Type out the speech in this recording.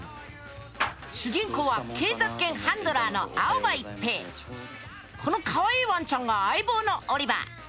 主人公は警察犬ハンドラーのこのかわいいワンちゃんが相棒のオリバー。